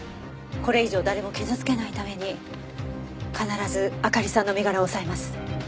これ以上誰も傷つけないために必ずあかりさんの身柄を押さえます。